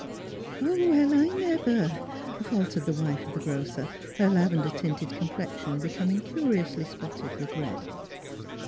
" Well, I never !" faltered the wife of the grocer, her lavender tinted complexion becoming curiously spotted with red.